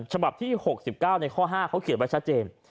ฉบับที่๖๙ในข้อ๕เขาเขียนไว้ชัดเจน